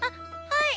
はい。